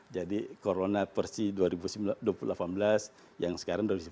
jadi corona versi dua ribu delapan belas yang sekarang dua ribu sembilan belas ini covid sembilan belas kan